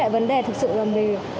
vấn đề thực sự là mình